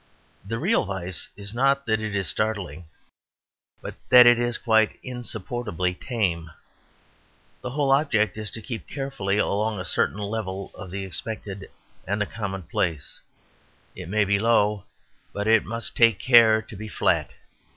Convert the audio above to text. The real vice is not that it is startling, but that it is quite insupportably tame. The whole object is to keep carefully along a certain level of the expected and the commonplace; it may be low, but it must take care also to be flat.